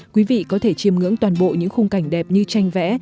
quý vị có thể chiêm ngưỡng toàn bộ những khung cảnh đẹp như tranh vẽ